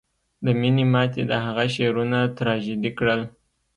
د مینې ماتې د هغه شعرونه تراژیدي کړل